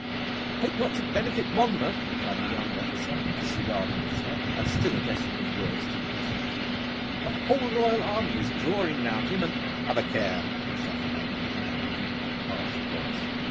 'Hope not to benefit Monmouth,' cried the young officer, disregarding the threat, and still addressing his words to the peasants. 'The whole royal army is drawing round him and ' 'Have a care!' shouted our leader, in a deep harsh voice.